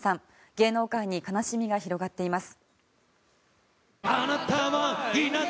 芸能界に悲しみが広がっています。